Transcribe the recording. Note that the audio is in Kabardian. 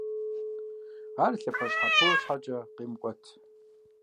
Ар лъэпощхьэпо щхьэкӀэ къимыкӀуэт.